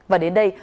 và đến đây